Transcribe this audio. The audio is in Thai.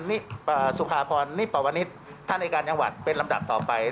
นิอ่าสุภาพรณ์นิปวนิศท่านอายการยังหวัดเป็นลำดับต่อไป